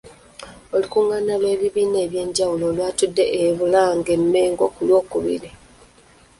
Olukungaana lw'ebibiina ebyenjawulo olwatudde e Bulange- Mmengo ku lwokubiri.